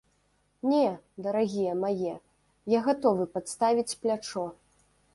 Не, дарагія мае, я гатовы падставіць плячо.